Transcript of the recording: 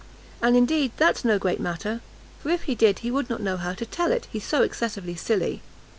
And, indeed, that's no great matter, for if he did, he would not know how to tell it, he's so excessively silly.